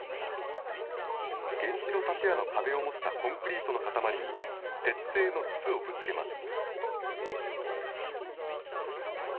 原子炉建屋の壁を模したコンクリートの塊に鉄製の筒をぶつけます。